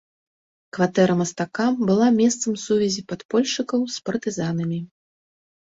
Кватэра мастака была месцам сувязі падпольшчыкаў з партызанамі.